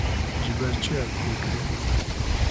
Ji ber çi ev tê kirin?